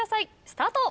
スタート。